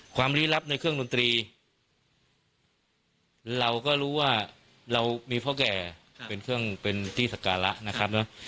ความริรับในเครื่องดนตรีเราก็รู้ว่าเรามีพ่อแก่เป็นเที่ยวการสักการะนะ